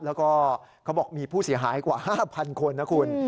แล้วก็เขาบอกมีผู้เสียหายกว่า๕๐๐คนนะคุณ